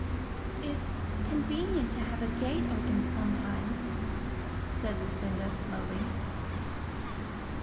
"It's convenient to have a gate opened sometimes," said Lucinda, slowly.